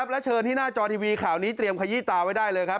และเชิญที่หน้าจอทีวีข่าวนี้เตรียมขยี้ตาไว้ได้เลยครับ